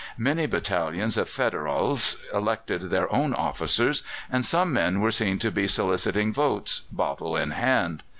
Many battalions of Federals elected their own officers, and some men were seen to be soliciting votes, bottle in hand.